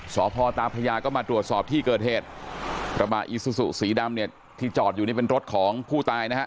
สพตาพระยาก็มาตรวจสอบที่เกิดเหตุกระบะอีซูซูสีดำเนี่ยที่จอดอยู่นี่เป็นรถของผู้ตายนะฮะ